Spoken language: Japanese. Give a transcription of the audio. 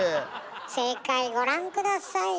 正解ご覧下さい。